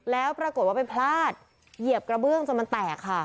แล้วปรากฏว่าไปพลาดเหยียบกระเบื้องจนมันแตกค่ะ